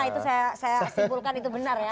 itu saya simpulkan itu benar ya